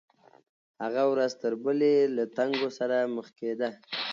هغه ورځ تر بلې له تنګو سره مخ کېده.